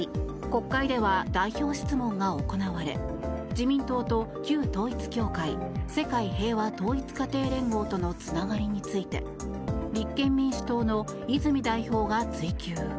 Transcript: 国会では代表質問が行われ自民党と旧統一教会世界平和統一家庭連合とのつながりについて立憲民主党の泉代表が追及。